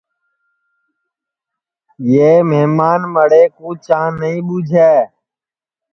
یہ مھمان مڑے کُو چاں نائی ٻوجھے